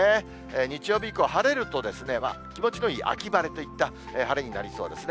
日曜日以降晴れると、気持ちのいい秋晴れといった晴れになりそうですね。